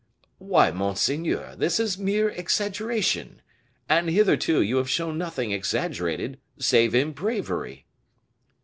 "Why, monseigneur, this is mere exaggeration; and hitherto you have shown nothing exaggerated save in bravery."